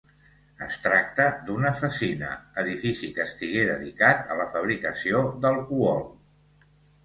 Es tracta d'una fassina, edifici que estigué dedicat a la fabricació d'alcohol.